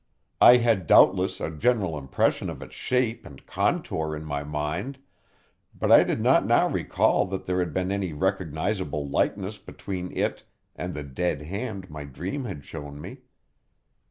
I had doubtless a general impression of its shape and contour in my mind, but I did not now recall that there had been any recognisable likeness between it and the dead hand my dream had shown me.